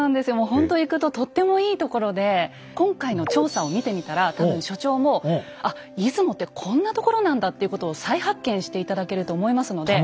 ほんと行くととってもいいところで今回の調査を見てみたら多分所長も「あ出雲ってこんなところなんだ」っていうことを再発見して頂けると思いますので。